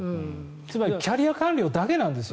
つまりキャリア官僚だけなんです。